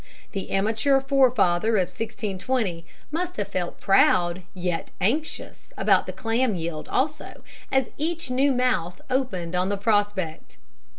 The amateur forefather of 1620 must have felt proud yet anxious about the clam yield also, as each new mouth opened on the prospect.